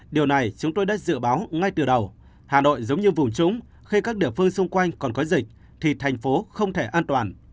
điều này chúng tôi đã dự báo ngay từ đầu hà nội giống như vùng trúng khi các địa phương xung quanh còn có dịch thì thành phố không thể an toàn